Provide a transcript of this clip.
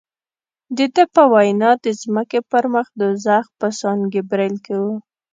د ده په وینا د ځمکې پر مخ دوزخ په سان ګبرېل کې و.